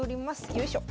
よいしょ。